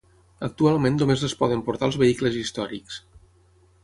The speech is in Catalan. Actualment només les poden portar els vehicles històrics.